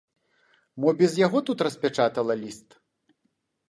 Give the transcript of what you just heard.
Мо без яго тут распячатала ліст?